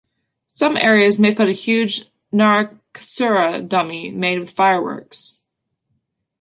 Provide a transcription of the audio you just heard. Some areas may put a huge Narakasura dummy made with fireworks.